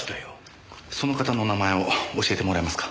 その方のお名前を教えてもらえますか。